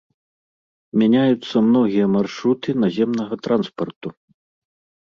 Мяняюцца многія маршруты наземнага транспарту.